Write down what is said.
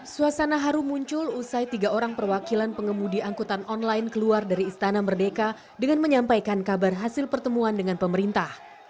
suasana haru muncul usai tiga orang perwakilan pengemudi angkutan online keluar dari istana merdeka dengan menyampaikan kabar hasil pertemuan dengan pemerintah